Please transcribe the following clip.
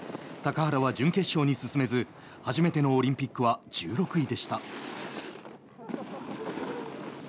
高原は準決勝に進めず初めてのオリンピックは１６位でした。